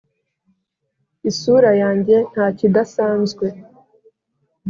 isura yanjye ntakidasanzwe,